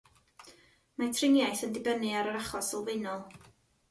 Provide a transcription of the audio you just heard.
Mae triniaeth yn dibynnu ar yr achos sylfaenol.